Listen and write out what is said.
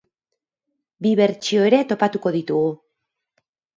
Bi bertsio ere topatuko ditugu.